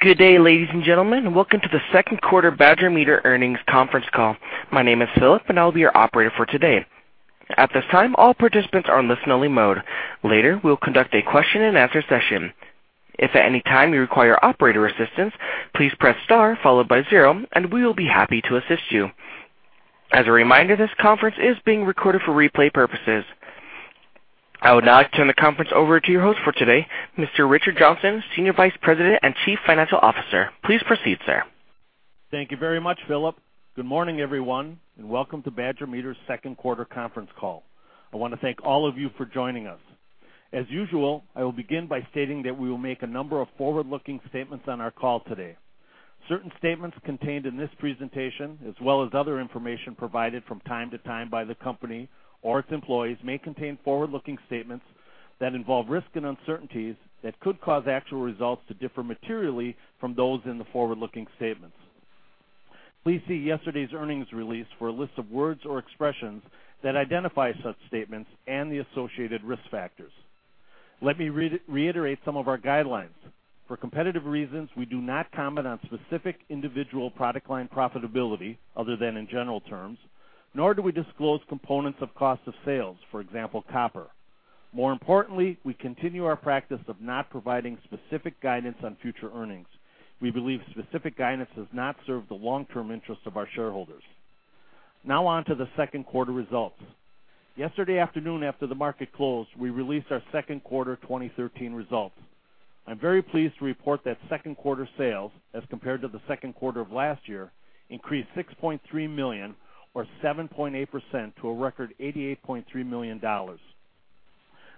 Good day, ladies and gentlemen. Welcome to the second quarter Badger Meter earnings conference call. My name is Philip and I'll be your operator for today. At this time, all participants are in listen only mode. Later, we'll conduct a question and answer session. If at any time you require operator assistance, please press star followed by zero and we will be happy to assist you. As a reminder, this conference is being recorded for replay purposes. I would now like to turn the conference over to your host for today, Mr. Richard Johnson, Senior Vice President and Chief Financial Officer. Please proceed, sir. Thank you very much, Philip. Good morning, everyone, welcome to Badger Meter's second quarter conference call. I want to thank all of you for joining us. As usual, I will begin by stating that we will make a number of forward-looking statements on our call today. Certain statements contained in this presentation, as well as other information provided from time to time by the company or its employees, may contain forward-looking statements that involve risks and uncertainties that could cause actual results to differ materially from those in the forward-looking statements. Please see yesterday's earnings release for a list of words or expressions that identify such statements and the associated risk factors. Let me reiterate some of our guidelines. For competitive reasons, we do not comment on specific individual product line profitability, other than in general terms, nor do we disclose components of cost of sales, for example, copper. More importantly, we continue our practice of not providing specific guidance on future earnings. We believe specific guidance does not serve the long-term interest of our shareholders. Now on to the second quarter results. Yesterday afternoon, after the market closed, we released our second quarter 2013 results. I'm very pleased to report that second quarter sales, as compared to the second quarter of last year, increased $6.3 million or 7.8% to a record $88.3 million.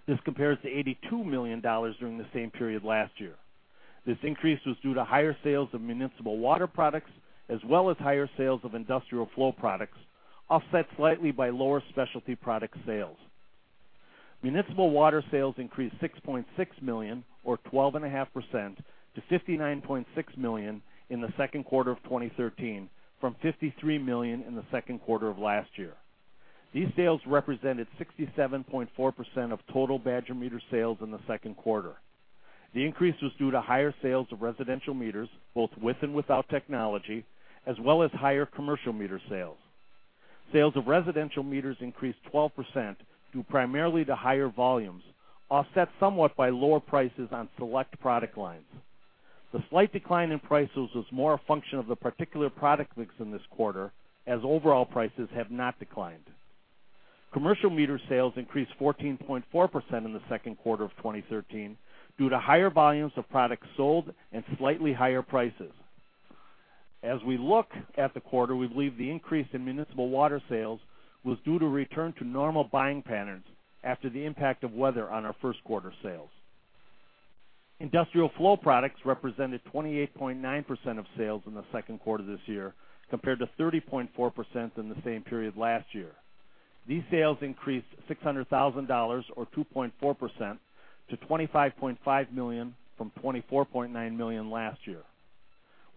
This compares to $82 million during the same period last year. This increase was due to higher sales of municipal water products, as well as higher sales of industrial flow products, offset slightly by lower specialty product sales. Municipal water sales increased $6.6 million or 12.5% to $59.6 million in the second quarter of 2013 from $53 million in the second quarter of last year. These sales represented 67.4% of total Badger Meter sales in the second quarter. The increase was due to higher sales of residential meters, both with and without technology, as well as higher commercial meter sales. Sales of residential meters increased 12% due primarily to higher volumes, offset somewhat by lower prices on select product lines. The slight decline in prices was more a function of the particular product mix in this quarter, as overall prices have not declined. Commercial meter sales increased 14.4% in the second quarter of 2013 due to higher volumes of products sold and slightly higher prices. As we look at the quarter, we believe the increase in municipal water sales was due to return to normal buying patterns after the impact of weather on our first quarter sales. Industrial flow products represented 28.9% of sales in the second quarter this year, compared to 30.4% in the same period last year. These sales increased $600,000 or 2.4% to $25.5 million from $24.9 million last year.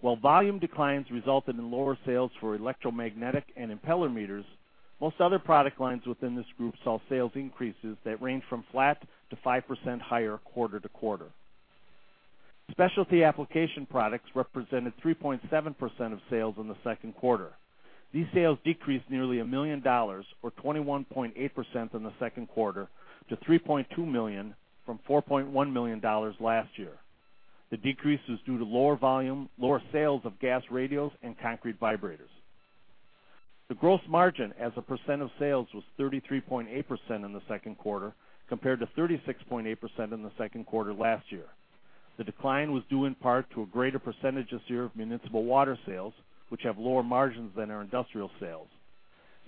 While volume declines resulted in lower sales for electromagnetic and impeller meters, most other product lines within this group saw sales increases that range from flat to 5% higher quarter-to-quarter. Specialty application products represented 3.7% of sales in the second quarter. These sales decreased nearly $1 million or 21.8% in the second quarter to $3.2 million from $4.1 million last year. The decrease is due to lower volume, lower sales of gas radios, and concrete vibrators. The gross margin as a percent of sales was 33.8% in the second quarter, compared to 36.8% in the second quarter last year. The decline was due in part to a greater percentage this year of municipal water sales, which have lower margins than our industrial sales.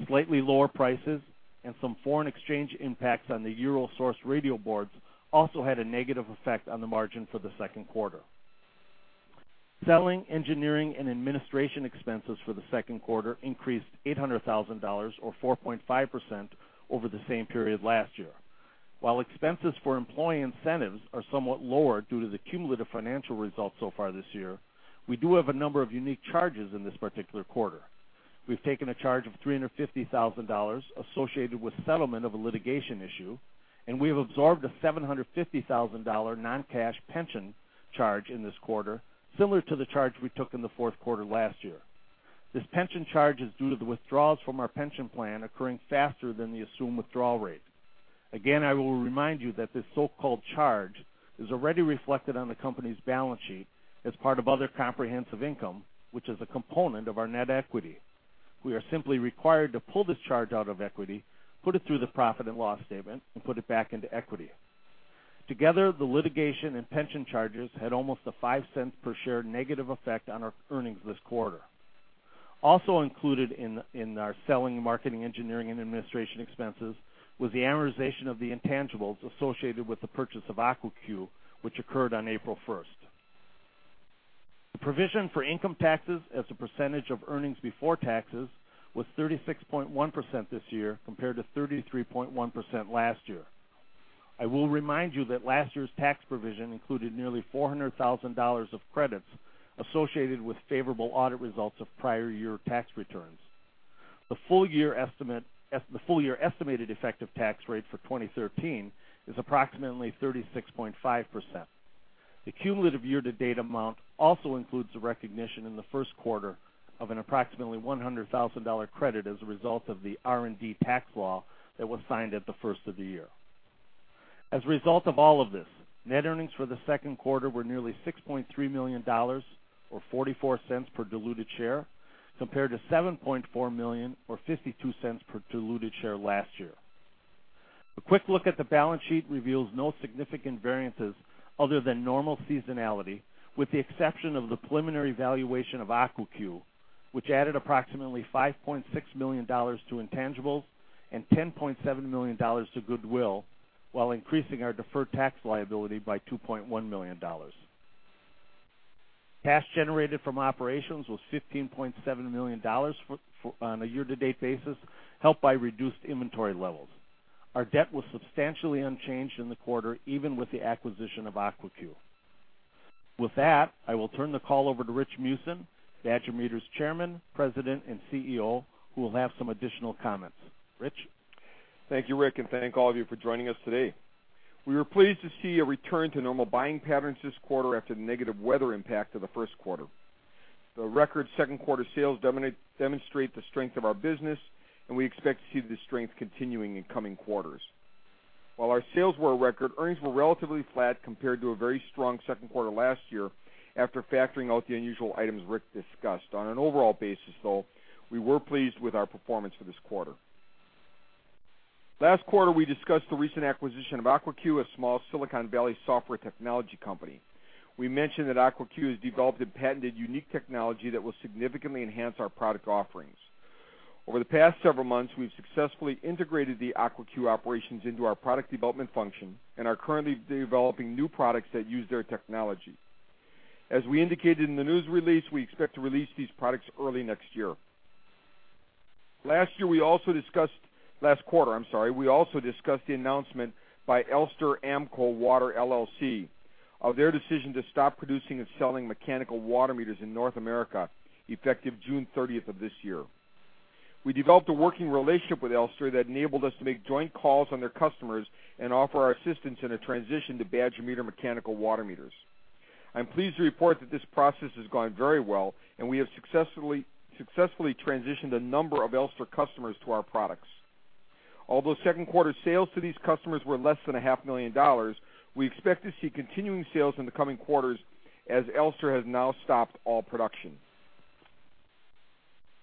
Slightly lower prices and some foreign exchange impacts on the euro-sourced radio boards also had a negative effect on the margin for the second quarter. Selling, engineering, and administration expenses for the second quarter increased $800,000 or 4.5% over the same period last year. While expenses for employee incentives are somewhat lower due to the cumulative financial results so far this year, we do have a number of unique charges in this particular quarter. We've taken a charge of $350,000 associated with settlement of a litigation issue, and we have absorbed a $750,000 non-cash pension charge in this quarter, similar to the charge we took in the fourth quarter last year. This pension charge is due to the withdrawals from our pension plan occurring faster than the assumed withdrawal rate. Again, I will remind you that this so-called charge is already reflected on the company's balance sheet as part of other comprehensive income, which is a component of our net equity. We are simply required to pull this charge out of equity, put it through the profit and loss statement, and put it back into equity. Together, the litigation and pension charges had almost a $0.05 per share negative effect on our earnings this quarter. Also included in our selling, marketing, engineering, and administration expenses was the amortization of the intangibles associated with the purchase of Aquacue, which occurred on April 1st. The provision for income taxes as a percentage of earnings before taxes was 36.1% this year, compared to 33.1% last year. I will remind you that last year's tax provision included nearly $400,000 of credits associated with favorable audit results of prior year tax returns. The full-year estimated effective tax rate for 2013 is approximately 36.5%. The cumulative year-to-date amount also includes a recognition in the first quarter of an approximately $100,000 credit as a result of the R&D tax law that was signed at the first of the year. As a result of all of this, net earnings for the second quarter were nearly $6.3 million, or $0.44 per diluted share, compared to $7.4 million or $0.52 per diluted share last year. A quick look at the balance sheet reveals no significant variances other than normal seasonality, with the exception of the preliminary valuation of Aquacue, which added approximately $5.6 million to intangibles and $10.7 million to goodwill, while increasing our deferred tax liability by $2.1 million. Cash generated from operations was $15.7 million on a year-to-date basis, helped by reduced inventory levels. Our debt was substantially unchanged in the quarter, even with the acquisition of Aquacue. With that, I will turn the call over to Rich Meeusen, Badger Meter's Chairman, President, and CEO, who will have some additional comments. Rich? Thank you, Rick, and thank all of you for joining us today. We were pleased to see a return to normal buying patterns this quarter after the negative weather impact of the first quarter. The record second quarter sales demonstrate the strength of our business, and we expect to see this strength continuing in coming quarters. While our sales were a record, earnings were relatively flat compared to a very strong second quarter last year after factoring out the unusual items Rick discussed. On an overall basis, though, we were pleased with our performance for this quarter. Last quarter, we discussed the recent acquisition of Aquacue, a small Silicon Valley software technology company. We mentioned that Aquacue has developed a patented unique technology that will significantly enhance our product offerings. Over the past several months, we've successfully integrated the Aquacue operations into our product development function and are currently developing new products that use their technology. As we indicated in the news release, we expect to release these products early next year. Last quarter, we also discussed the announcement by Elster AMCO Water, LLC of their decision to stop producing and selling mechanical water meters in North America effective June 30th of this year. We developed a working relationship with Elster that enabled us to make joint calls on their customers and offer our assistance in a transition to Badger Meter mechanical water meters. I'm pleased to report that this process has gone very well, and we have successfully transitioned a number of Elster customers to our products. Although second-quarter sales to these customers were less than a half million dollars, we expect to see continuing sales in the coming quarters as Elster has now stopped all production.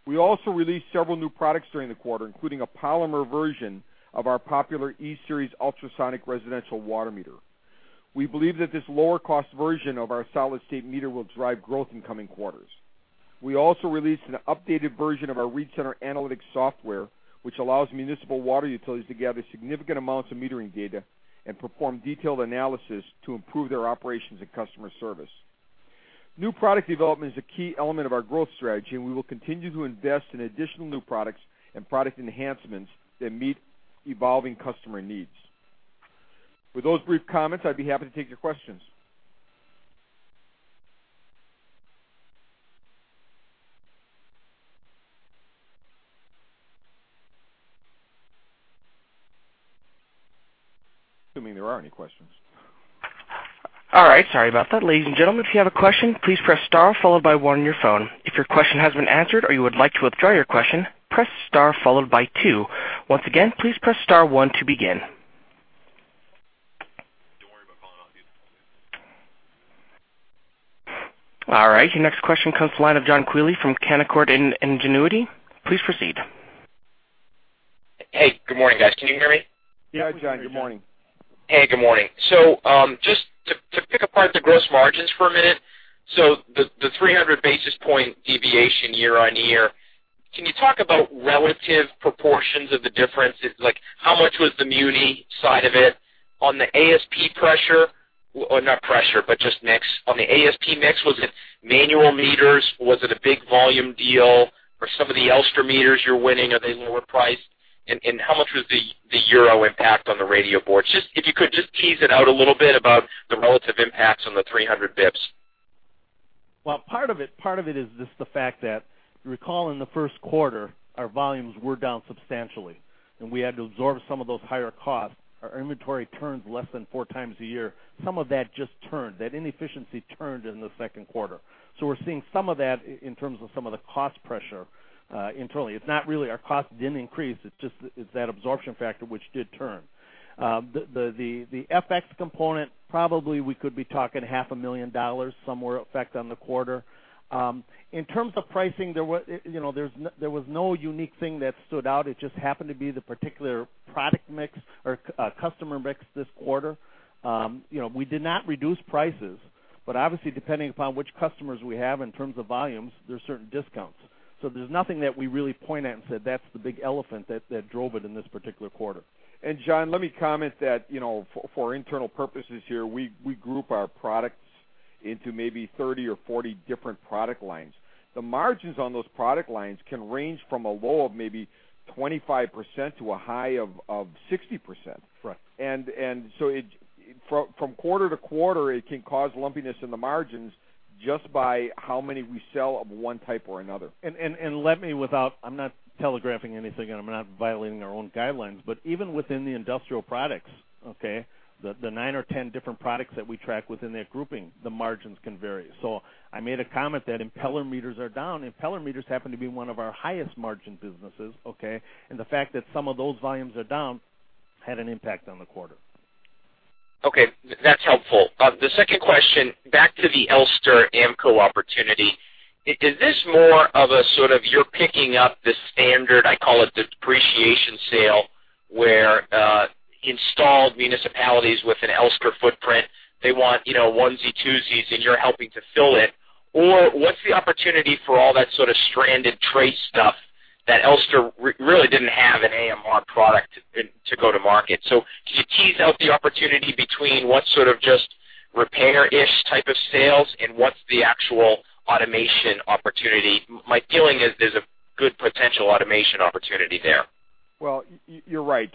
We also released several new products during the quarter, including a polymer version of our popular E-Series ultrasonic residential water meter. We believe that this lower-cost version of our solid-state meter will drive growth in coming quarters. We also released an updated version of our ReadCenter Analytics software, which allows municipal water utilities to gather significant amounts of metering data and perform detailed analysis to improve their operations and customer service. New product development is a key element of our growth strategy, and we will continue to invest in additional new products and product enhancements that meet evolving customer needs. With those brief comments, I'd be happy to take your questions. Assuming there are any questions. All right. Sorry about that. Ladies and gentlemen, if you have a question, please press star followed by one on your phone. If your question has been answered or you would like to withdraw your question, press star followed by two. Once again, please press star one to begin. Don't worry about calling out people. All right, your next question comes the line of John Quilico from Canaccord Genuity. Please proceed. Hey, good morning, guys. Can you hear me? Yeah, John. Good morning. Yeah, we can hear you. Hey, good morning. Just to pick apart the gross margins for a minute, the 300 basis points deviation year-on-year, can you talk about relative proportions of the difference? How much was the muni side of it? On the ASP pressure, or not pressure, but just mix. On the ASP mix, was it manual meters? Was it a big volume deal? Or some of the Elster meters you're winning, are they lower price? And how much was the euro impact on the radio boards? If you could just tease it out a little bit about the relative impacts on the 300 basis points. Well, part of it is just the fact that, you recall in the first quarter, our volumes were down substantially, and we had to absorb some of those higher costs. Our inventory turns less than four times a year. Some of that just turned. That inefficiency turned in the second quarter. We're seeing some of that in terms of some of the cost pressure internally. Our cost didn't increase. It's that absorption factor, which did turn. The FX component, probably we could be talking half a million dollars, somewhere effect on the quarter. In terms of pricing, there was no unique thing that stood out. It just happened to be the particular product mix or customer mix this quarter. We did not reduce prices, but obviously, depending upon which customers we have in terms of volumes, there's certain discounts. There's nothing that we really point at and say, "That's the big elephant that drove it in this particular quarter. John, let me comment that, for internal purposes here, we group our products into maybe 30 or 40 different product lines. The margins on those product lines can range from a low of maybe 25%-60%. Right. From quarter to quarter, it can cause lumpiness in the margins just by how many we sell of one type or another. Let me, without, I'm not telegraphing anything, and I'm not violating our own guidelines, but even within the industrial products, okay, the nine or 10 different products that we track within that grouping, the margins can vary. I made a comment that impeller meters are down. Impeller meters happen to be one of our highest margin businesses, okay? The fact that some of those volumes are down had an impact on the quarter. Okay. That's helpful. The second question, back to the Elster-AMCO opportunity. Is this more of a sort of, you're picking up the standard, I call it depreciation sale, where, installed municipalities with an Elster footprint, they want, onesie, twosies, and you're helping to fill it? What's the opportunity for all that sort of stranded Trace stuff that Elster really didn't have an AMR product to go to market. Can you tease out the opportunity between what sort of just repair-ish type of sales and what's the actual automation opportunity? My feeling is there's a good potential automation opportunity there. Well, you're right.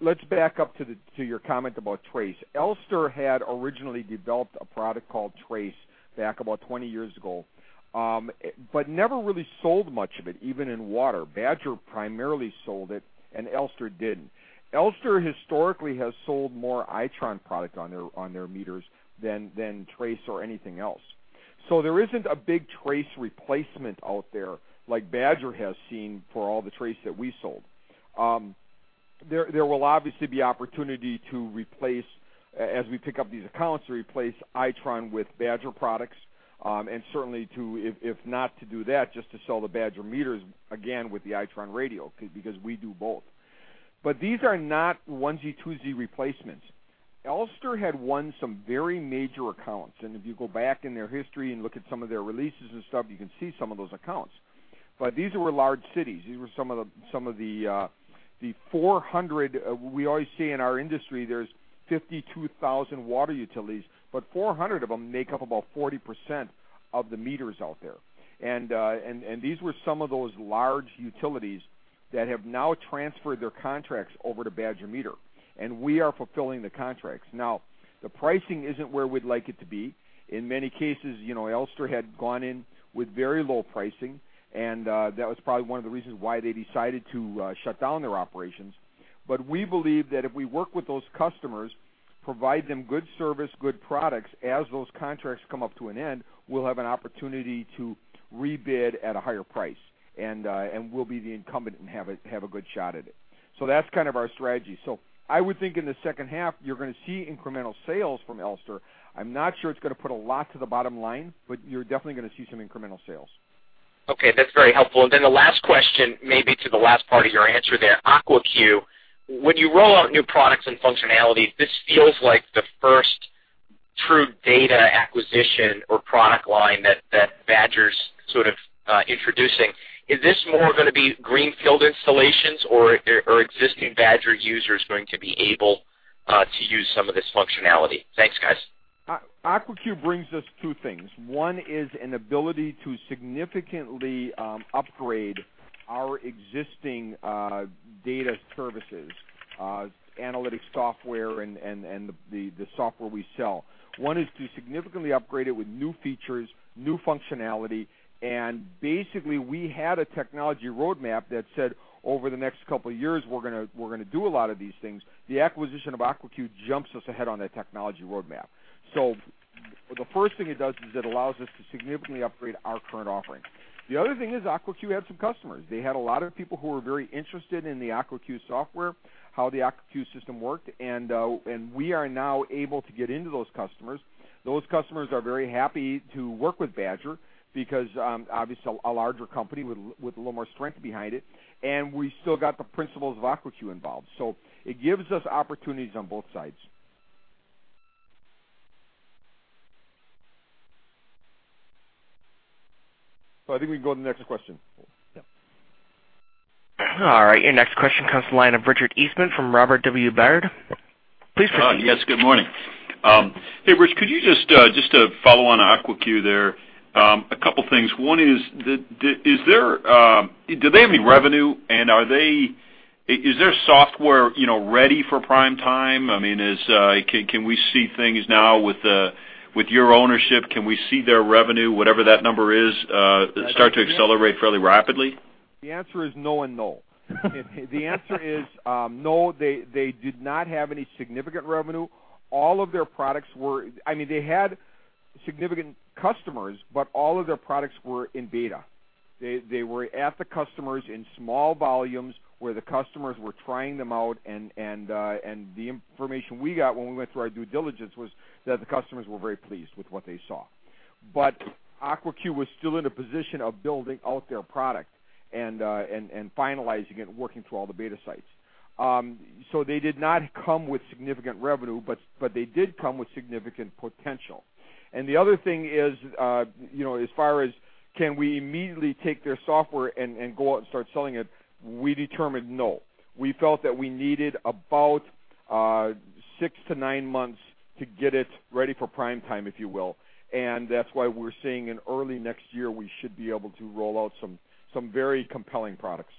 Let's back up to your comment about Trace. Elster had originally developed a product called Trace back about 20 years ago, but never really sold much of it, even in water. Badger primarily sold it, and Elster didn't. Elster historically has sold more Itron product on their meters than Trace or anything else. There isn't a big Trace replacement out there like Badger has seen for all the Trace that we sold. There will obviously be opportunity to replace, as we pick up these accounts, to replace Itron with Badger products. Certainly if not to do that, just to sell the Badger meters again with the Itron radio, because we do both. These are not onesie-twosie replacements. Elster had won some very major accounts, and if you go back in their history and look at some of their releases and stuff, you can see some of those accounts. These were large cities. These were some of the 400, we always say in our industry, there's 52,000 water utilities, but 400 of them make up about 40% of the meters out there. These were some of those large utilities that have now transferred their contracts over to Badger Meter, and we are fulfilling the contracts. Now, the pricing isn't where we'd like it to be. In many cases, Elster had gone in with very low pricing, and that was probably one of the reasons why they decided to shut down their operations. We believe that if we work with those customers, provide them good service, good products, as those contracts come up to an end, we'll have an opportunity to rebid at a higher price and we'll be the incumbent and have a good shot at it. That's kind of our strategy. I would think in the second half, you're going to see incremental sales from Elster. I'm not sure it's going to put a lot to the bottom line, but you're definitely going to see some incremental sales. Okay. That's very helpful. The last question may be to the last part of your answer there. Aquacue. When you roll out new products and functionalities, this feels like the first true data acquisition or product line that Badger's sort of introducing. Is this more going to be greenfield installations, or are existing Badger users going to be able to use some of this functionality? Thanks, guys. Aquacue brings us two things. One is an ability to significantly upgrade our existing data services, analytics software, and the software we sell. One is to significantly upgrade it with new features, new functionality. Basically, we had a technology roadmap that said over the next couple of years, we're going to do a lot of these things. The acquisition of Aquacue jumps us ahead on that technology roadmap. The first thing it does is it allows us to significantly upgrade our current offering. The other thing is Aquacue had some customers. They had a lot of people who were very interested in the Aquacue software, how the Aquacue system worked, we are now able to get into those customers. Those customers are very happy to work with Badger because, obviously, a larger company with a little more strength behind it. We still got the principles of Aquacue involved. It gives us opportunities on both sides. I think we can go to the next question. Yeah. All right. Your next question comes to the line of Richard Eastman from Robert W. Baird. Please go ahead. Yes, good morning. Hey, Rich, could you just follow on Aquacue there? A couple of things. One is, do they have any revenue, and is their software ready for prime time? Can we see things now with your ownership? Can we see their revenue, whatever that number is, start to accelerate fairly rapidly? The answer is no and no. The answer is no, they did not have any significant revenue. They had significant customers, but all of their products were in beta. They were at the customers in small volumes where the customers were trying them out, and the information we got when we went through our due diligence was that the customers were very pleased with what they saw. Aquacue was still in a position of building out their product and finalizing it and working through all the beta sites. They did not come with significant revenue, but they did come with significant potential. The other thing is, as far as can we immediately take their software and go out and start selling it, we determined no. We felt that we needed about Six to nine months to get it ready for prime time, if you will. That's why we're seeing in early next year, we should be able to roll out some very compelling products.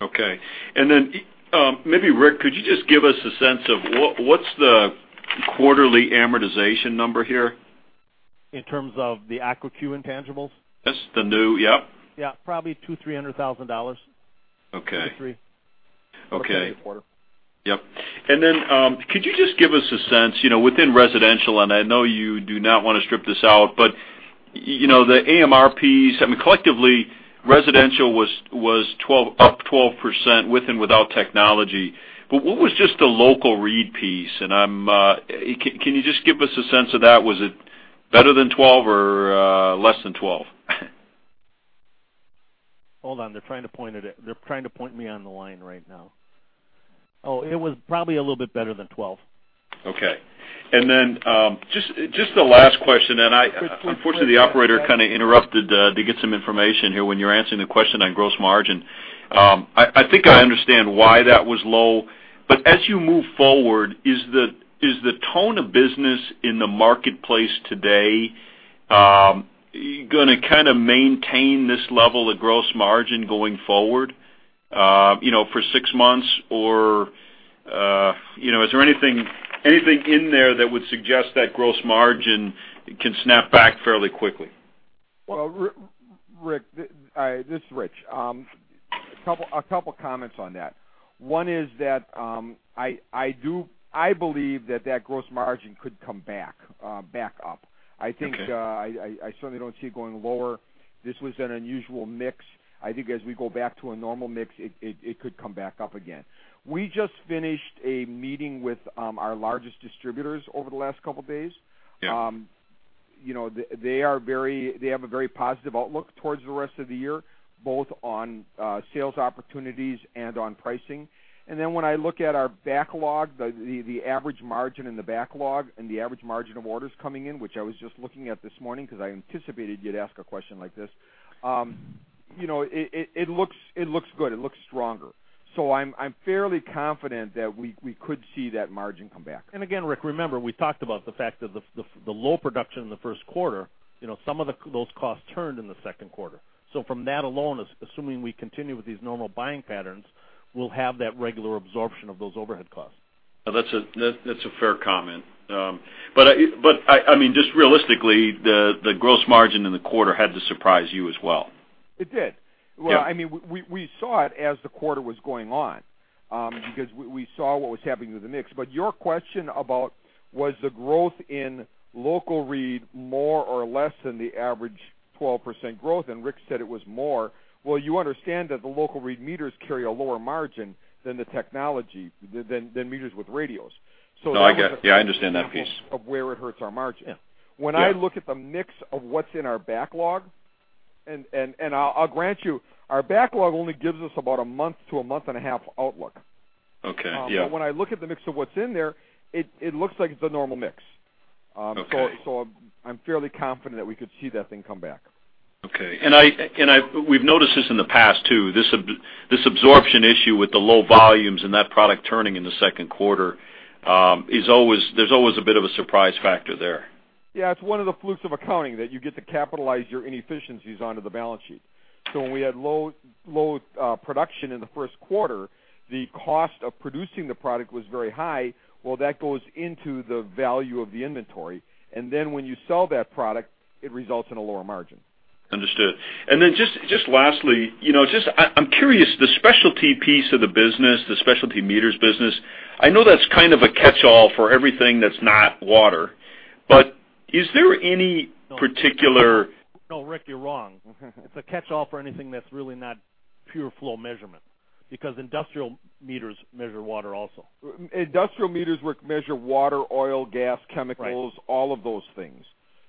Okay. Maybe Rick, could you just give us a sense of what's the quarterly amortization number here? In terms of the Aquacue intangibles? Yes, the new Yep. Yeah. Probably $200,000, $300,000. Okay. Two, three. Okay. Every quarter. Yep. Could you just give us a sense, within residential, and I know you do not want to strip this out, but the AMRPs, I mean, collectively, residential was up 12% with and without technology. What was just the local read piece? Can you just give us a sense of that? Was it better than 12 or less than 12? Hold on. They're trying to point me on the line right now. It was probably a little bit better than 12. Okay. Just the last question, and unfortunately, the operator kind of interrupted to get some information here when you were answering the question on gross margin. I think I understand why that was low, but as you move forward, is the tone of business in the marketplace today gonna kind of maintain this level of gross margin going forward for six months? Is there anything in there that would suggest that gross margin can snap back fairly quickly? Well, Rick, this is Rich. A couple of comments on that. One is that I believe that that gross margin could come back up. Okay. I certainly don't see it going lower. This was an unusual mix. I think as we go back to a normal mix, it could come back up again. We just finished a meeting with our largest distributors over the last couple of days. Yeah. When I look at our backlog, the average margin in the backlog and the average margin of orders coming in, which I was just looking at this morning because I anticipated you'd ask a question like this. It looks good. It looks stronger. I'm fairly confident that we could see that margin come back. Rick, remember, we talked about the fact that the low production in the first quarter, some of those costs turned in the second quarter. From that alone, assuming we continue with these normal buying patterns, we'll have that regular absorption of those overhead costs. That's a fair comment. Just realistically, the gross margin in the quarter had to surprise you as well. It did. Yeah. Well, we saw it as the quarter was going on, because we saw what was happening to the mix. Your question about was the growth in local read more or less than the average 12% growth, and Rick said it was more. Well, you understand that the local read meters carry a lower margin than the technology, than meters with radios. No, Yeah, I understand that piece. That was an example of where it hurts our margin. Yeah. When I look at the mix of what's in our backlog, and I'll grant you, our backlog only gives us about a month to a month and a half outlook. Okay. Yeah. When I look at the mix of what's in there, it looks like it's the normal mix. Okay. I'm fairly confident that we could see that thing come back. Okay. We've noticed this in the past, too. This absorption issue with the low volumes and that product turning in the second quarter, there's always a bit of a surprise factor there. Yeah, it's one of the flukes of accounting that you get to capitalize your inefficiencies onto the balance sheet. When we had low production in the first quarter, the cost of producing the product was very high. Well, that goes into the value of the inventory. Then when you sell that product, it results in a lower margin. Understood. Then just lastly, I'm curious, the specialty piece of the business, the specialty meters business, I know that's kind of a catch-all for everything that's not water, is there any particular No, Rick, you're wrong. It's a catch-all for anything that's really not pure flow measurement, because industrial meters measure water also. Industrial meters, Rick, measure water, oil, gas, chemicals- Right all of those things.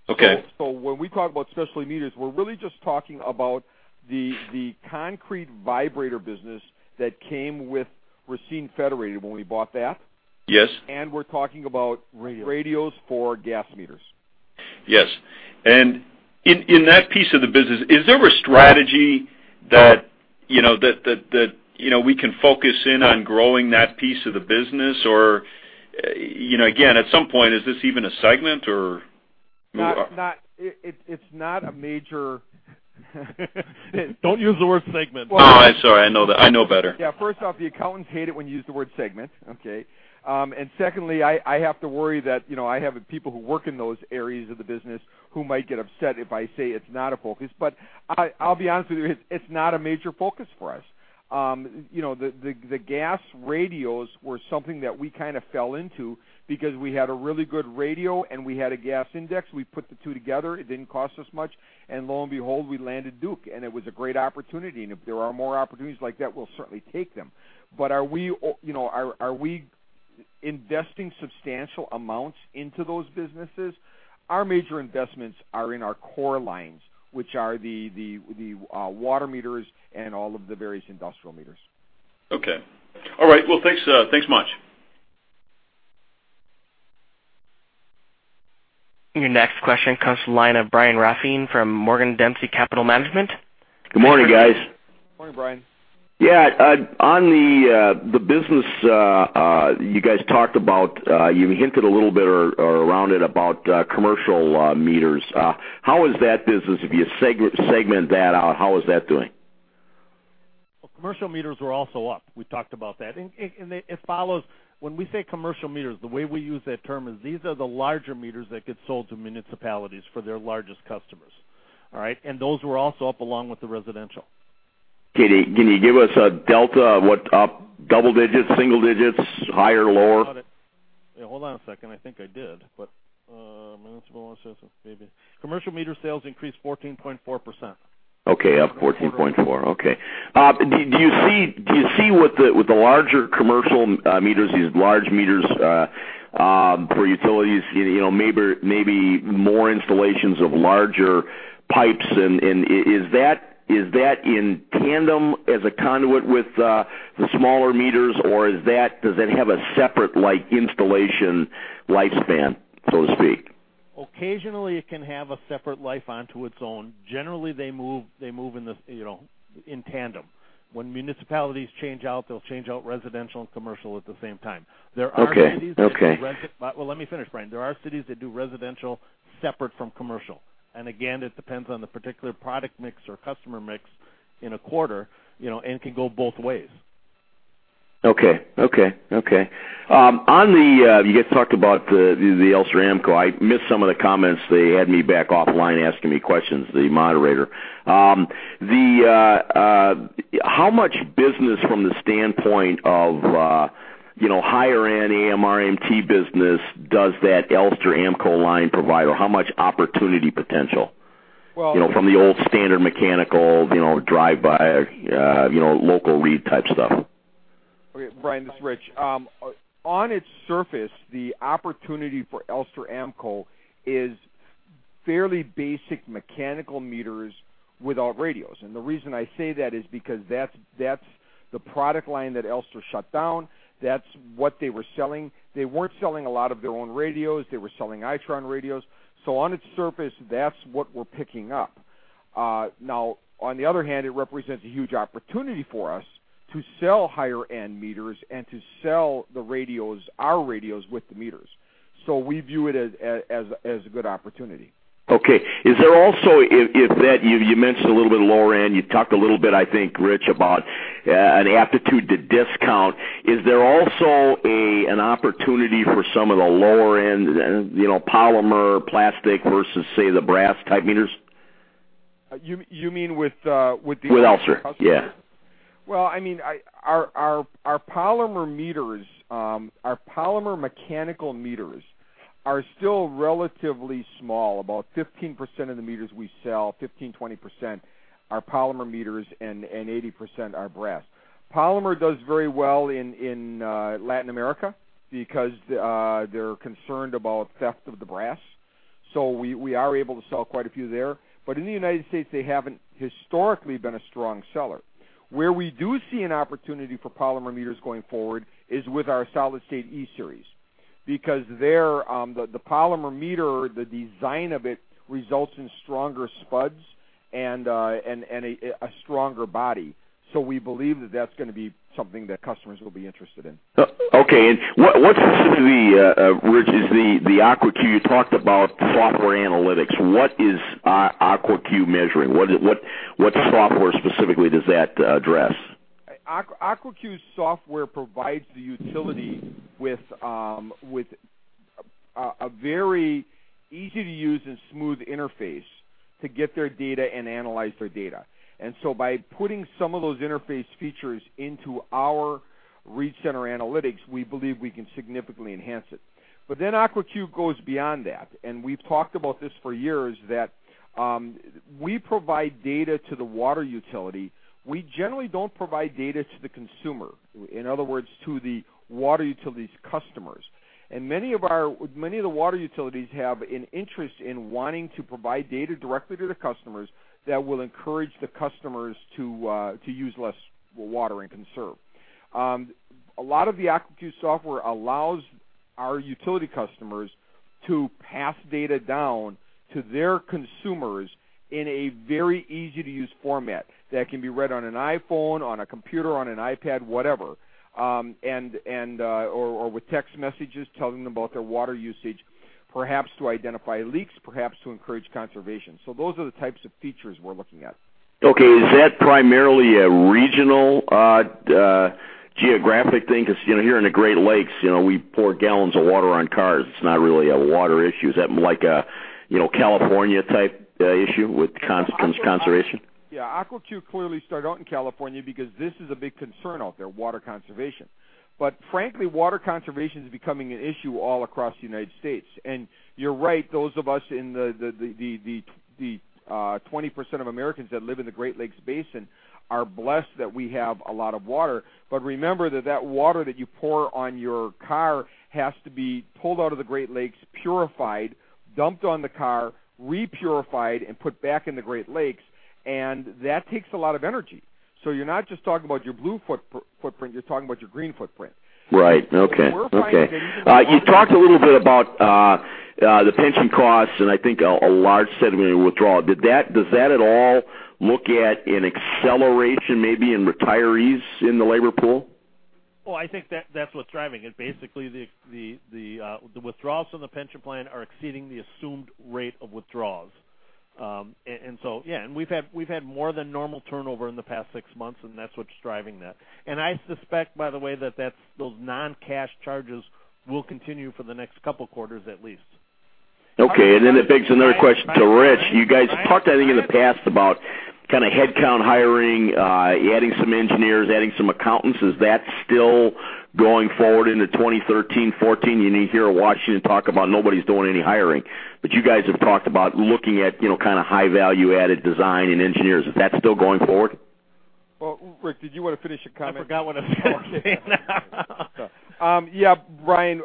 Okay. When we talk about specialty meters, we're really just talking about the concrete vibrator business that came with Racine Federated when we bought that. Yes. we're talking about. Radios radios for gas meters. Yes. In that piece of the business, is there a strategy that we can focus in on growing that piece of the business? Again, at some point, is this even a segment? It's not a major. Don't use the word segment. No, I'm sorry. I know better. Yeah. First off, the accountants hate it when you use the word segment, okay. Secondly, I have to worry that I have people who work in those areas of the business who might get upset if I say it's not a focus, but I'll be honest with you, it's not a major focus for us. The gas radios were something that we kind of fell into because we had a really good radio, and we had a gas index. We put the two together. It didn't cost us much. Lo and behold, we landed Duke, and it was a great opportunity. If there are more opportunities like that, we'll certainly take them. Are we investing substantial amounts into those businesses? Our major investments are in our core lines, which are the water meters and all of the various industrial meters. Okay. All right. Well, thanks much. Your next question comes to the line of Brian Rafn from Morgan Dempsey Capital Management. Good morning, guys. Morning, Brian. Yeah. On the business you guys talked about, you hinted a little bit around it about commercial meters. How is that business, if you segment that out, how is that doing? Well, commercial meters were also up. We talked about that. When we say commercial meters, the way we use that term is these are the larger meters that get sold to municipalities for their largest customers. All right? Those were also up along with the residential. Can you give us a delta? What, up double digits, single digits, higher, lower? Yeah, hold on a second. I think I did. Municipal commercial meter sales increased 14.4%. Okay. Up 14.4%. Okay. Do you see with the larger commercial meters, these large meters, for utilities, maybe more installations of larger pipes and is that in tandem as a conduit with the smaller meters, or does that have a separate installation lifespan, so to speak? Occasionally, it can have a separate life onto its own. Generally, they move in tandem. When municipalities change out, they'll change out residential and commercial at the same time. There are cities that do. Okay. Well, let me finish, Brian. There are cities that do residential separate from commercial. Again, it depends on the particular product mix or customer mix in a quarter, and can go both ways. Okay. You guys talked about the Elster AMCO. I missed some of the comments. They had me back offline asking me questions, the moderator. How much business from the standpoint of higher-end AMR/AMI business does that Elster AMCO line provide, or how much opportunity potential? Well- From the old standard mechanical drive-by, local read type stuff. Okay, Brian, this is Rich. On its surface, the opportunity for Elster AMCO is fairly basic mechanical meters without radios. The reason I say that is because that's the product line that Elster shut down. That's what they were selling. They weren't selling a lot of their own radios. They were selling Itron radios. On its surface, that's what we're picking up. Now, on the other hand, it represents a huge opportunity for us to sell higher-end meters and to sell our radios with the meters. We view it as a good opportunity. Okay. You mentioned a little bit lower end. You talked a little bit, I think, Rich, about an aptitude to discount. Is there also an opportunity for some of the lower-end polymer plastic versus, say, the brass-type meters? You mean with the Elster customers? With Elster, yeah. Our polymer mechanical meters are still relatively small. 15% of the meters we sell, 15%-20%, are polymer meters, and 80% are brass. Polymer does very well in Latin America because they're concerned about theft of the brass. We are able to sell quite a few there. In the U.S., they haven't historically been a strong seller. Where we do see an opportunity for polymer meters going forward is with our solid-state E-Series. There, the polymer meter, the design of it results in stronger spuds and a stronger body. We believe that that's going to be something that customers will be interested in. Okay. What specifically, Rich, is the Aquacue? You talked about software analytics. What is Aquacue measuring? What software specifically does that address? Aquacue software provides the utility with a very easy-to-use and smooth interface to get their data and analyze their data. By putting some of those interface features into our ReadCenter analytics, we believe we can significantly enhance it. Aquacue goes beyond that, and we've talked about this for years, that we provide data to the water utility. We generally don't provide data to the consumer. In other words, to the water utility's customers. Many of the water utilities have an interest in wanting to provide data directly to the customers that will encourage the customers to use less water and conserve. A lot of the Aquacue software allows our utility customers to pass data down to their consumers in a very easy-to-use format that can be read on an iPhone, on a computer, on an iPad, whatever, or with text messages telling them about their water usage, perhaps to identify leaks, perhaps to encourage conservation. Those are the types of features we're looking at. Okay. Is that primarily a regional geographic thing? Because here in the Great Lakes, we pour gallons of water on cars. It's not really a water issue. Is that like a California-type issue with conservation? Yeah. Aquacue clearly started out in California because this is a big concern out there, water conservation. Frankly, water conservation is becoming an issue all across the United States. You're right, those of us, the 20% of Americans that live in the Great Lakes Basin, are blessed that we have a lot of water. Remember that that water that you pour on your car has to be pulled out of the Great Lakes, purified, dumped on the car, re-purified, and put back in the Great Lakes, and that takes a lot of energy. You're not just talking about your blue footprint, you're talking about your green footprint. Right. Okay. We're finding that. You talked a little bit about the pension costs, a large settlement withdrawal. Does that at all look at an acceleration, maybe in retirees in the labor pool? Well, I think that's what's driving it. Basically, the withdrawals from the pension plan are exceeding the assumed rate of withdrawals. Yeah. We've had more than normal turnover in the past six months, and that's what's driving that. I suspect, by the way, that those non-cash charges will continue for the next couple of quarters at least. Okay. It begs another question to Rich. You guys talked, I think, in the past about kind of headcount hiring, adding some engineers, adding some accountants. Is that still going forward into 2013, 2014? You hear Washington talk about nobody's doing any hiring, you guys have talked about looking at kind of high value-added design and engineers. Is that still going forward? Well, Rick, did you want to finish your comment? I forgot what I was saying. Okay. Yeah, Brian,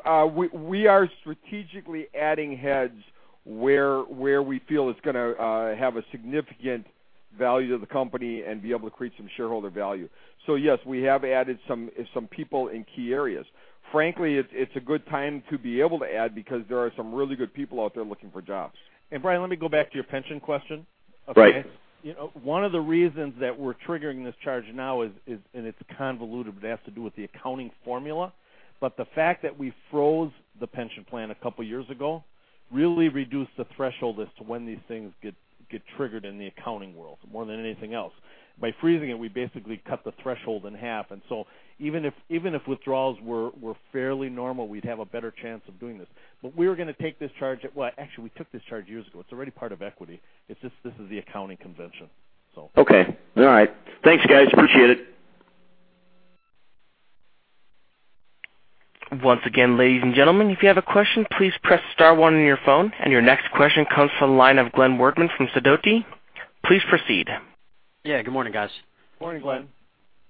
we are strategically adding heads where we feel it's going to have a significant value to the company and be able to create some shareholder value. Yes, we have added some people in key areas. Frankly, it's a good time to be able to add because there are some really good people out there looking for jobs. Brian, let me go back to your pension question. Right. One of the reasons that we're triggering this charge now is, it's convoluted, but it has to do with the accounting formula. The fact that we froze the pension plan a couple of years ago really reduced the threshold as to when these things get triggered in the accounting world, more than anything else. By freezing it, we basically cut the threshold in half. So even if withdrawals were fairly normal, we'd have a better chance of doing this. We were going to take this charge, well, actually, we took this charge years ago. It's already part of equity. It's just this is the accounting convention. Okay. All right. Thanks, guys. Appreciate it. Once again, ladies and gentlemen, if you have a question, please press star one on your phone. Your next question comes from the line of Glenn Wortman from Sidoti. Please proceed. Yeah. Good morning, guys. Morning, Glenn.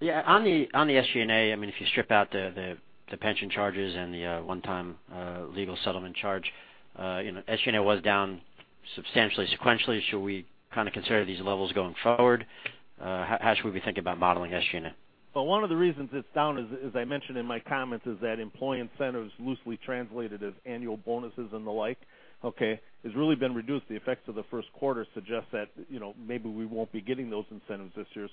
Yeah. On the SG&A, if you strip out the pension charges and the one-time legal settlement charge, SG&A was down substantially sequentially. Should we kind of consider these levels going forward? How should we be thinking about modeling SG&A? Well, one of the reasons it's down, as I mentioned in my comments, is that employee incentives, loosely translated as annual bonuses and the like, okay, has really been reduced. The effects of the first quarter suggest that maybe we won't be getting those incentives this year.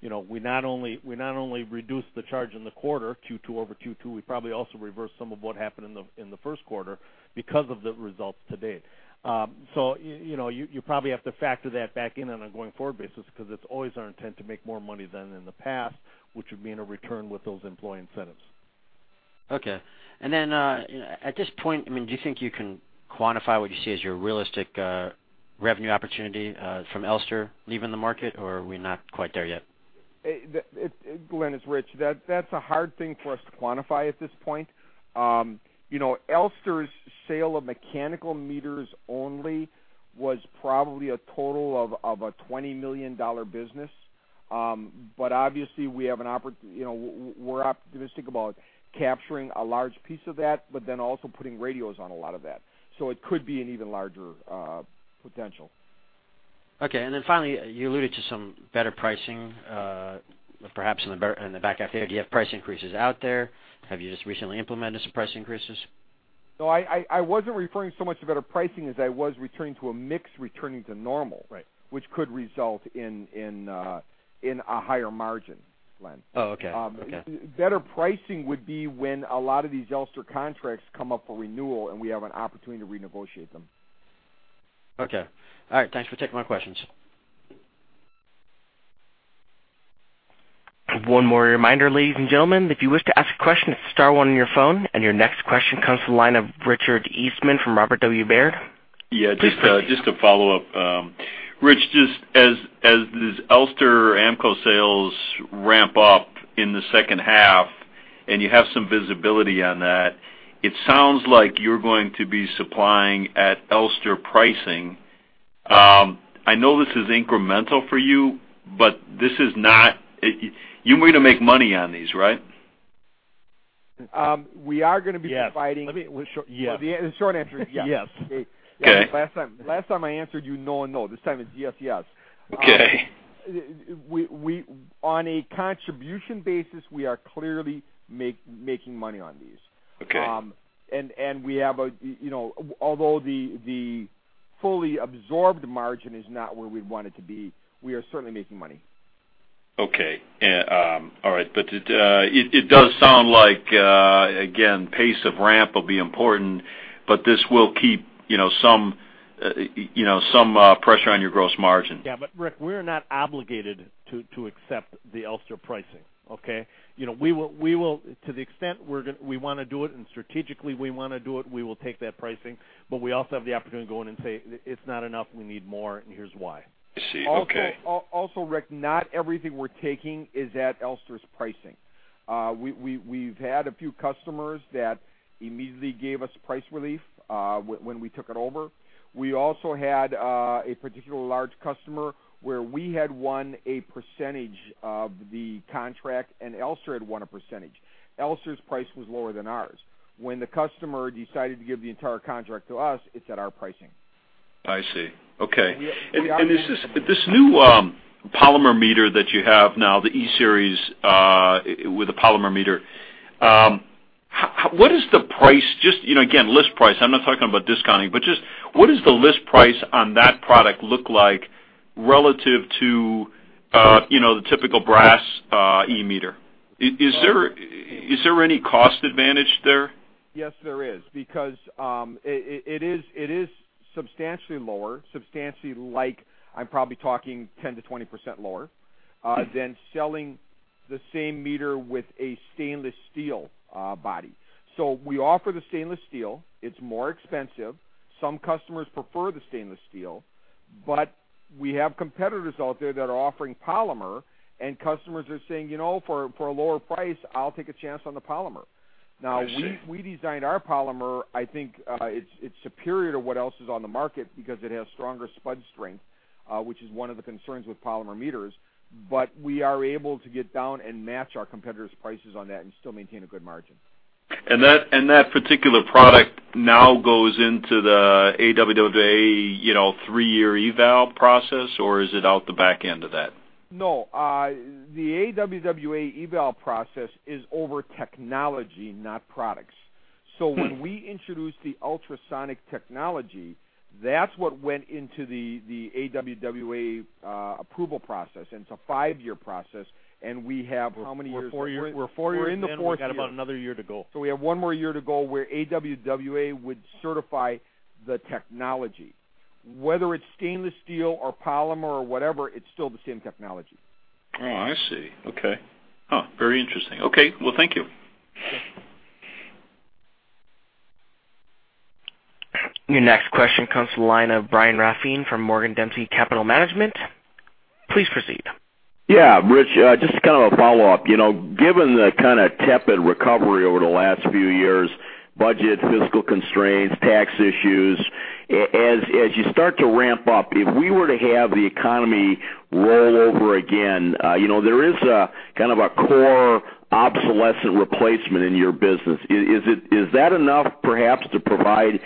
We not only reduced the charge in the quarter, Q2 over Q2, we probably also reversed some of what happened in the first quarter because of the results to date. You probably have to factor that back in on a going-forward basis because it's always our intent to make more money than in the past, which would mean a return with those employee incentives. Okay. At this point, do you think you can quantify what you see as your realistic revenue opportunity from Elster leaving the market, or are we not quite there yet? Glenn, it's Rich. That's a hard thing for us to quantify at this point. Elster's sale of mechanical meters only was probably a total of a $20 million business. Obviously, we're optimistic about capturing a large piece of that, also putting radios on a lot of that. It could be an even larger potential. Okay. Finally, you alluded to some better pricing, perhaps in the back half of the year. Do you have price increases out there? Have you just recently implemented some price increases? No, I wasn't referring so much to better pricing as I was referring to a mix returning to normal. Right Which could result in a higher margin, Glenn. Oh, okay. Better pricing would be when a lot of these Elster contracts come up for renewal and we have an opportunity to renegotiate them. Okay. All right. Thanks for taking my questions. One more reminder, ladies and gentlemen, if you wish to ask a question, it's star one on your phone. Your next question comes from the line of Richard Eastman from Robert W. Baird. Yeah. Please proceed. To follow up. Rich, just as these Elster AMCO sales ramp up in the second half and you have some visibility on that, it sounds like you're going to be supplying at Elster pricing. I know this is incremental for you, but you want me to make money on these, right? We are going to be providing- Yes. The short answer is yes. Okay. Last time I answered you no and no. This time it's yes. Okay. On a contribution basis, we are clearly making money on these. Okay. Although the fully absorbed margin is not where we'd want it to be, we are certainly making money. Okay. All right. It does sound like, again, pace of ramp will be important, but this will keep some pressure on your gross margin. Rick, we're not obligated to accept the Elster pricing, okay? To the extent we want to do it, and strategically we want to do it, we will take that pricing, but we also have the opportunity to go in and say, "It's not enough, we need more, and here's why. I see. Okay. Rick, not everything we're taking is at Elster's pricing. We've had a few customers that immediately gave us price relief when we took it over. We also had a particularly large customer where we had won a percentage of the contract and Elster had won a percentage. Elster's price was lower than ours. When the customer decided to give the entire contract to us, it's at our pricing. I see. Okay. This new polymer meter that you have now, the E-Series with the polymer meter, what is the price? Just, again, list price. I'm not talking about discounting, but just what does the list price on that product look like relative to the typical brass E meter? Is there any cost advantage there? Yes, there is, because it is substantially lower, substantially like, I'm probably talking 10%-20% lower, than selling the same meter with a stainless steel body. We offer the stainless steel. It's more expensive. Some customers prefer the stainless steel, but we have competitors out there that are offering polymer, and customers are saying, "For a lower price, I'll take a chance on the polymer. I see. Now, we designed our polymer. I think it's superior to what else is on the market because it has stronger spud strength, which is one of the concerns with polymer meters. We are able to get down and match our competitors' prices on that and still maintain a good margin. That particular product now goes into the AWWA three-year eval process, or is it out the back end of that? No. The AWWA eval process is over technology, not products. When we introduced the ultrasonic technology, that's what went into the AWWA approval process, it's a five-year process, we have how many years? We're four years in. We've got about another year to go. We have one more year to go where AWWA would certify the technology. Whether it's stainless steel or polymer or whatever, it's still the same technology. Oh, I see. Okay. Huh, very interesting. Okay. Well, thank you. Sure. Your next question comes from the line of Brian Rafn from Morgan Dempsey Capital Management. Please proceed. Yeah. Rich, just kind of a follow-up. Given the kind of tepid recovery over the last few years, budget, fiscal constraints, tax issues, as you start to ramp up, if we were to have the economy roll over again, there is a kind of a core obsolescent replacement in your business. Is that enough perhaps to provide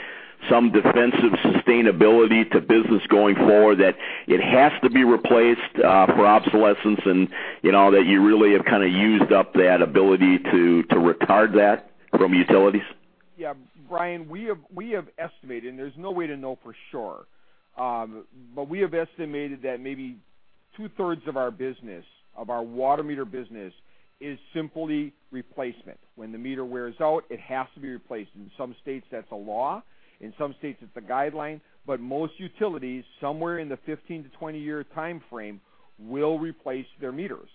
some defensive sustainability to business going forward, that it has to be replaced for obsolescence, and that you really have kind of used up that ability to retard that from utilities? Yeah. Brian, we have estimated, and there's no way to know for sure, but we have estimated that maybe two-thirds of our business, of our water meter business, is simply replacement. When the meter wears out, it has to be replaced. In some states, that's a law. In some states, it's a guideline. Most utilities, somewhere in the 15-20 year timeframe, will replace their meters.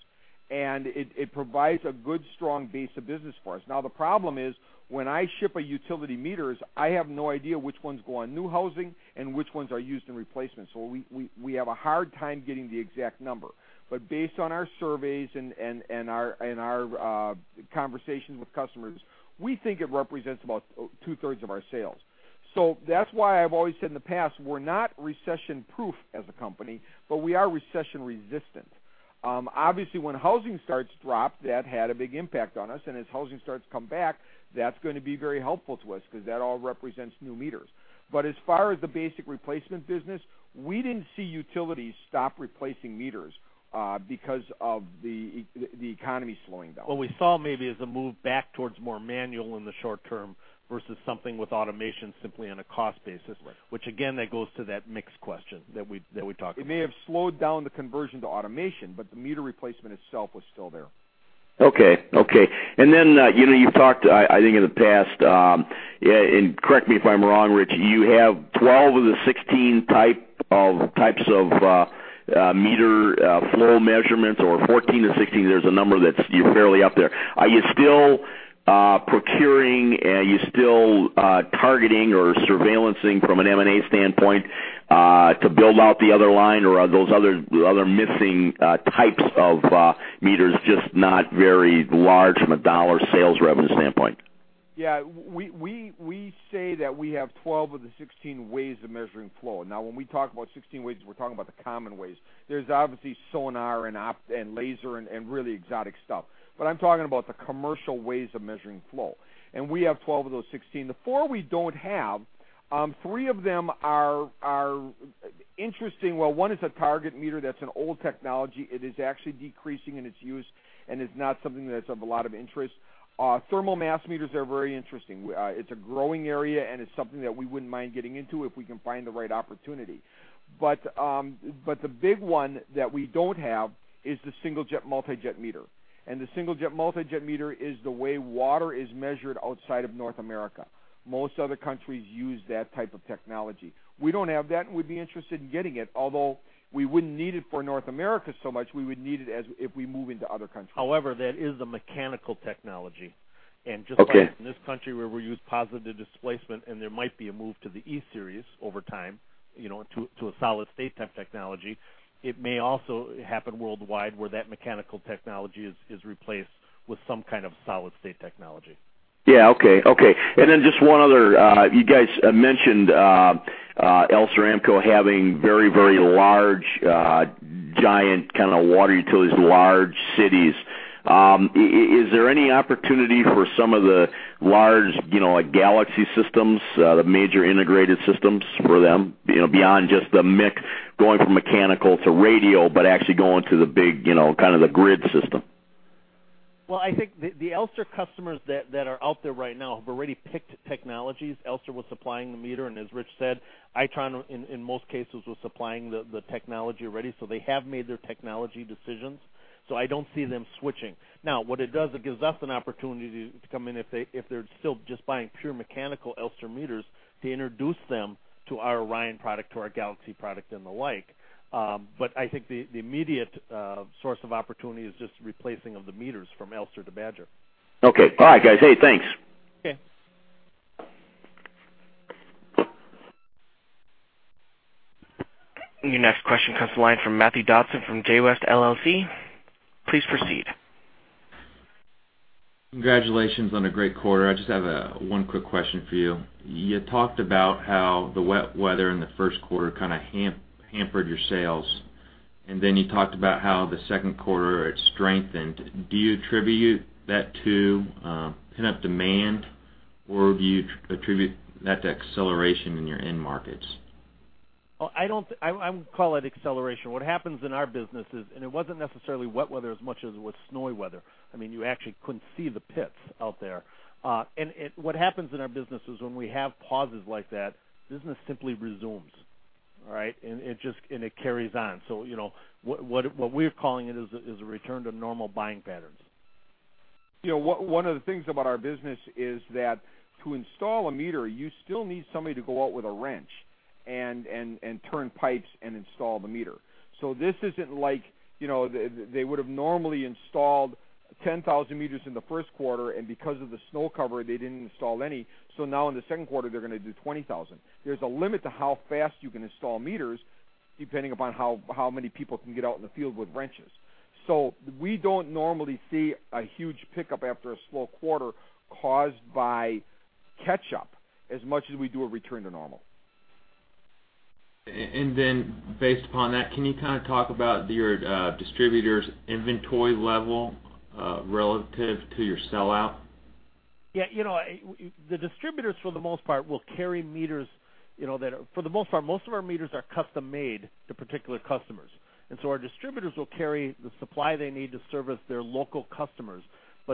It provides a good, strong base of business for us. The problem is, when I ship a utility meters, I have no idea which ones go on new housing and which ones are used in replacement. We have a hard time getting the exact number. Based on our surveys and our conversations with customers, we think it represents about two-thirds of our sales. That's why I've always said in the past, we're not recession-proof as a company, but we are recession-resistant. Obviously, when housing starts to drop, that had a big impact on us, and as housing starts to come back, that's going to be very helpful to us because that all represents new meters. As far as the basic replacement business, we didn't see utilities stop replacing meters because of the economy slowing down. What we saw maybe is a move back towards more manual in the short term versus something with automation simply on a cost basis. Right. Which, again, that goes to that mix question that we talked about. It may have slowed down the conversion to automation, but the meter replacement itself was still there. Okay. You've talked, I think in the past, and correct me if I'm wrong, Rich, you have 12 of the 16 types of meter flow measurements or 14 of 16. There's a number that's fairly up there. Are you still procuring? Are you still targeting or surveillancing from an M&A standpoint to build out the other line, or are those other missing types of meters just not very large from a dollar sales revenue standpoint? Yeah. We say that we have 12 of the 16 ways of measuring flow. When we talk about 16 ways, we're talking about the common ways. There's obviously sonar and laser and really exotic stuff. I'm talking about the commercial ways of measuring flow. We have 12 of those 16. The four we don't have, three of them are interesting. Well, one is a target meter. That's an old technology. It is actually decreasing in its use and is not something that's of a lot of interest. Thermal mass meters are very interesting. It's a growing area, and it's something that we wouldn't mind getting into if we can find the right opportunity. The big one that we don't have is the single jet, multi-jet meter. The single jet, multi-jet meter is the way water is measured outside of North America. Most other countries use that type of technology. We don't have that, and we'd be interested in getting it, although we wouldn't need it for North America so much. We would need it if we move into other countries. However, that is a mechanical technology. Okay. Just like in this country where we use positive displacement and there might be a move to the E-Series over time, to a solid state-type technology, it may also happen worldwide where that mechanical technology is replaced with some kind of solid state technology. Yeah. Okay. Just one other. You guys mentioned Elster AMCO having very large- Giant kind of water utilities, large cities. Is there any opportunity for some of the large GALAXY systems, the major integrated systems for them, beyond just the mix, going from mechanical to radio, but actually going to the big, kind of the grid system? I think the Elster customers that are out there right now have already picked technologies. Elster was supplying the meter, and as Rich said, Itron, in most cases, was supplying the technology already. They have made their technology decisions. I don't see them switching. What it does, it gives us an opportunity to come in if they're still just buying pure mechanical Elster meters, to introduce them to our ORION product, to our GALAXY product, and the like. I think the immediate source of opportunity is just replacing of the meters from Elster to Badger. Okay. All right, guys. Hey, thanks. Okay. Your next question comes to the line from Matthew Dodson from J West LLC. Please proceed. Congratulations on a great quarter. I just have one quick question for you. You talked about how the wet weather in the first quarter kind of hampered your sales. Then you talked about how the second quarter it strengthened. Do you attribute that to pent-up demand, or do you attribute that to acceleration in your end markets? I wouldn't call it acceleration. What happens in our business is, it wasn't necessarily wet weather as much as it was snowy weather. You actually couldn't see the pits out there. What happens in our business is when we have pauses like that, business simply resumes. All right. It carries on. What we're calling it is a return to normal buying patterns. One of the things about our business is that to install a meter, you still need somebody to go out with a wrench and turn pipes and install the meter. This isn't like they would've normally installed 10,000 meters in the first quarter, and because of the snow cover, they didn't install any. Now in the second quarter, they're going to do 20,000. There's a limit to how fast you can install meters, depending upon how many people can get out in the field with wrenches. We don't normally see a huge pickup after a slow quarter caused by catch-up, as much as we do a return to normal. Based upon that, can you kind of talk about your distributor's inventory level, relative to your sellout? Yeah. The distributors, for the most part, will carry meters. For the most part, most of our meters are custom-made to particular customers. Our distributors will carry the supply they need to service their local customers.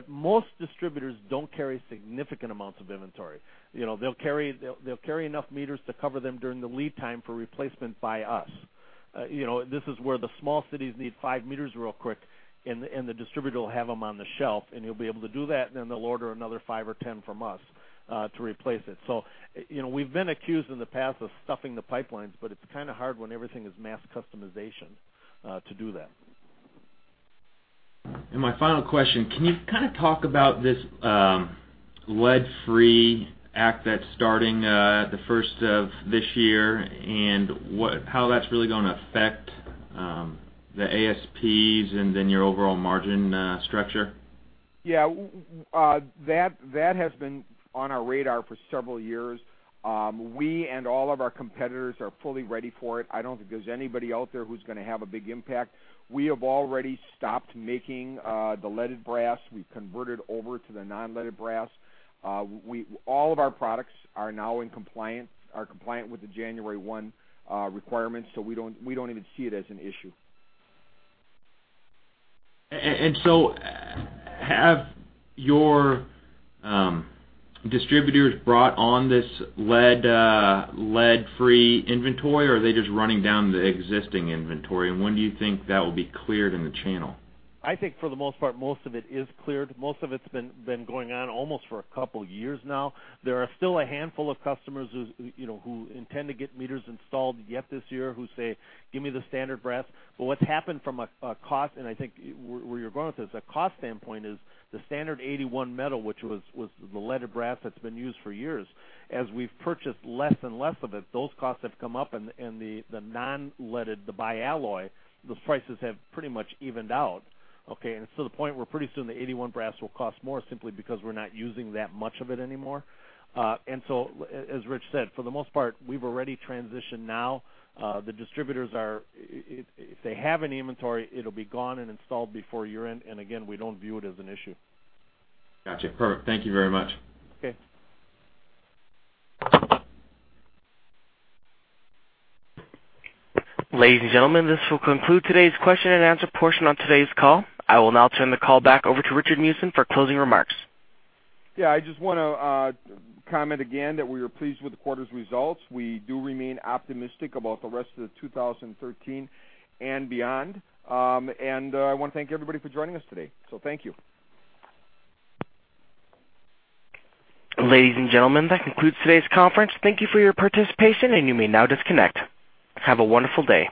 Most distributors don't carry significant amounts of inventory. They'll carry enough meters to cover them during the lead time for replacement by us. This is where the small cities need five meters real quick, and the distributor will have them on the shelf, and he'll be able to do that, then they'll order another five or 10 from us to replace it. We've been accused in the past of stuffing the pipelines, but it's kind of hard when everything is mass customization to do that. My final question, can you kind of talk about this lead-free act that's starting the first of this year and how that's really going to affect the ASPs and then your overall margin structure? Yeah. That has been on our radar for several years. We and all of our competitors are fully ready for it. I don't think there's anybody out there who's gonna have a big impact. We have already stopped making the leaded brass. We've converted over to the non-leaded brass. All of our products are now in compliance, are compliant with the January 1 requirements, so we don't even see it as an issue. Have your distributors brought on this lead-free inventory, or are they just running down the existing inventory? When do you think that will be cleared in the channel? I think, for the most part, most of it is cleared. Most of it's been going on almost for a couple years now. There are still a handful of customers who intend to get meters installed yet this year who say, "Give me the standard brass." What's happened from a cost, and I think where you're going with this, a cost standpoint is the standard 81 metal, which was the leaded brass that's been used for years. As we've purchased less and less of it, those costs have come up, and the non-leaded, the BI-ALLOY, those prices have pretty much evened out, okay? The point where pretty soon the 81 brass will cost more simply because we're not using that much of it anymore. As Rich said, for the most part, we've already transitioned now. The distributors are, if they have any inventory, it'll be gone and installed before year-end. Again, we don't view it as an issue. Got you. Perfect. Thank you very much. Okay. Ladies and gentlemen, this will conclude today's question and answer portion on today's call. I will now turn the call back over to Richard Meeusen for closing remarks. Yeah, I just want to comment again that we are pleased with the quarter's results. We do remain optimistic about the rest of 2013 and beyond. I want to thank everybody for joining us today. Thank you. Ladies and gentlemen, that concludes today's conference. Thank you for your participation, and you may now disconnect. Have a wonderful day.